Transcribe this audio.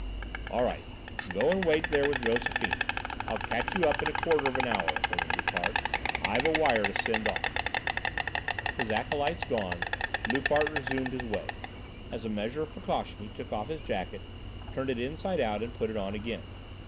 "All right. Go and wait there with Josephine. I'll catch you up in a quarter of an hour," ordered Loupart. "I've a wire to send off." His acolytes gone, Loupart resumed his way. As a measure of precaution, he took off his jacket, turned it inside out and put it on again.